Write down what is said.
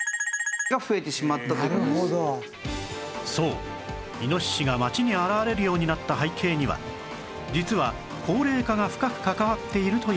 そうイノシシが街に現れるようになった背景には実は高齢化が深く関わっているというんです